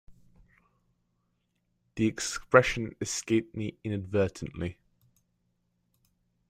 The expression escaped me inadvertently.